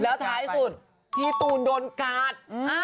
แล้วท้ายสุดพี่ตูนโดนกาด